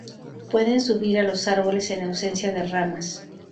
Pueden subir a los árboles en ausencia de ramas.